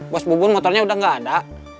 bos bubur motornya udah nggak ada